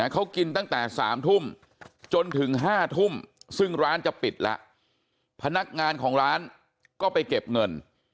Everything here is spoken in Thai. เขากินตั้งแต่๓ทุ่มจนถึง๕ทุ่มซึ่งร้านจะปิดแล้วพนักงานของร้านก็ไปเก็บเงิน